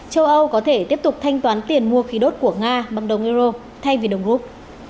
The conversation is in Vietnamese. châu âu có thể tiếp tục thanh toán tiền mua khí đốt của nga bằng đồng euro thay vì đồng rút